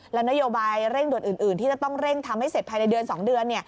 และนโยบายเร่งด่วนอื่นที่จะต้องเร่งทำให้เสร็จภายในเดือน๒เดือน